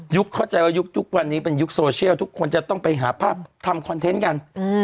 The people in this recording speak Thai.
เข้าใจว่ายุคทุกวันนี้เป็นยุคโซเชียลทุกคนจะต้องไปหาภาพทำคอนเทนต์กัน